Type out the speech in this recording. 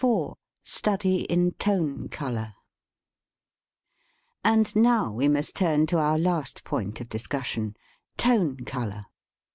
IV STUDY IN TONE COLOR A^D now we must turn to our last point of discussion, Tone color.